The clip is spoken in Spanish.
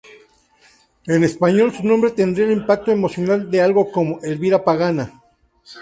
En español, su nombre tendría el impacto emocional de algo como "Elvira Pagana".